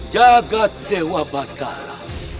jagad dewa batara